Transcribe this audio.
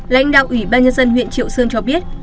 lãnh đạo ủy ban nhân dân huyện triệu sơn cho biết